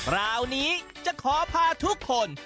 ราวนี้จะขอพาทุกคน